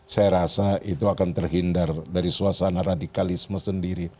saya rasa itu akan terhindar dari suasana radikalisme sendiri